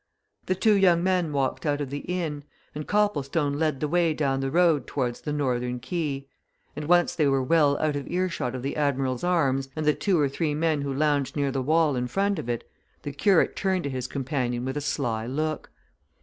The two young men walked out of the inn, and Copplestone led the way down the road towards the northern quay. And once they were well out of earshot of the "Admiral's Arms," and the two or three men who lounged near the wall in front of it, the curate turned to his companion with a sly look.